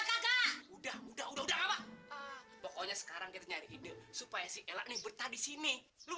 kakak udah udah pokoknya sekarang kita nyari ide supaya si elaknya bertahun tahun di sini lu